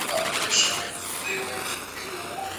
دا وخت له هغې مهم دی.